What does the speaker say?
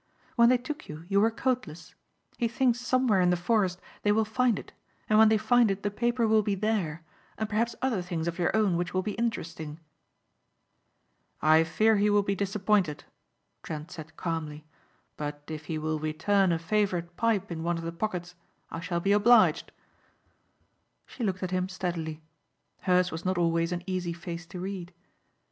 "When they took you you were coatless. He thinks somewhere in the forest they will find it and when they find it the paper will be there and perhaps other things of your own which will be interesting." "I fear he will be disappointed," Trent said calmly, "but if he will return a favorite pipe in one of the pockets I shall be obliged." She looked at him steadily. Hers was not always an easy face to read.